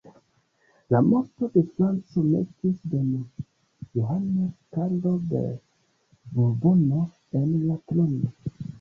La morto de Franco metis Don Johano Karlo de Burbono en la trono.